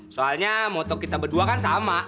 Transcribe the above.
soalnya moto kita berdua kan sama